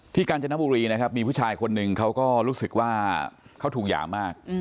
กาญจนบุรีนะครับมีผู้ชายคนหนึ่งเขาก็รู้สึกว่าเขาถูกหย่ามาก